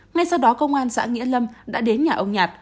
ngay sau đó công an xã nghĩa lâm đã đến nhà ông nhạt